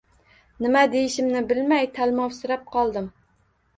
Nima deyishimni bilmay talmovsirab qoldim.